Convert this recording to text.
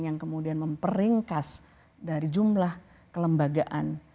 yang kemudian memperingkas dari jumlah kelembagaan